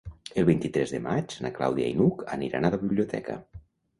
El vint-i-tres de maig na Clàudia i n'Hug aniran a la biblioteca.